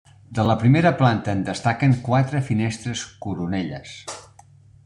De la primera planta en destaquen quatre finestres coronelles.